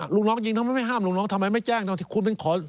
ลูกน้องยิงทำไมไม่ห้ามลูกน้องทำไมไม่แจ้ง